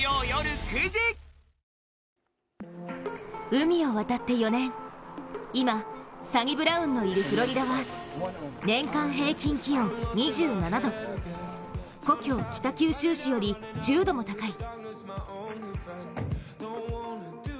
海を渡って４年今、サニブラウンがいるフロリダは年間平均気温２７度、故郷・北九州市より１０度も高い。